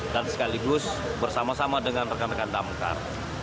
dan sekaligus bersama sama dengan rekan rekan damkar